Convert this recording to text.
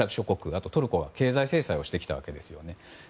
あとはトルコが経済制裁をしてきたわけですね。